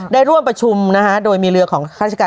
ได้ร่วมประชุมโดยมีเรือของข้าราชการ